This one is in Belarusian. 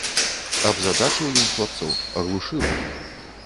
Абзадачыў ён хлапцоў, аглушыў.